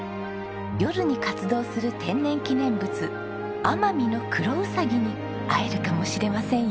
夜に活動する天然記念物アマミノクロウサギに会えるかもしれませんよ。